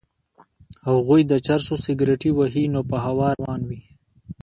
هغوی د چرسو سګرټی ووهي نو په هوا روان وي.